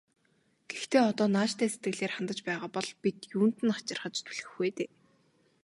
Гэхдээ одоо нааштай сэтгэлээр хандаж байгаа бол бид юунд нь хачирхаж түлхэх вэ дээ.